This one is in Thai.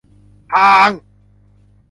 ผ่าง !